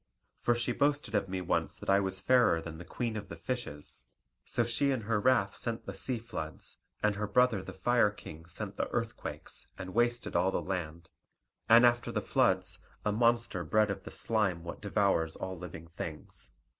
For she boasted of me once that I was fairer than the Queen of the Fishes; so she in her wrath sent the sea floods, and her brother the Fire King sent the earthquakes, and wasted all the land, and after the floods a monster bred of the slime what devours all living things.